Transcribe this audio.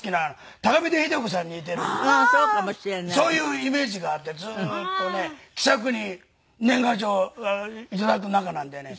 そういうイメージがあってずーっとね気さくに年賀状を頂く仲なんでね。